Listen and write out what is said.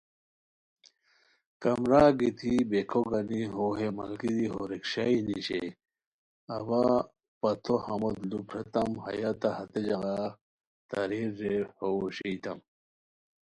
کمرا گیتی بیکھو گنی ہو ہے ملگیری ہو رکشائی نیشئے، اوا پتو ہموت لُوپھریتام، ہیہ تہ ہتے ژاغا تارئیر رے ہو ویݰئیتائے